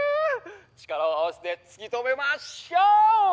力を合わせて突き止めましょう！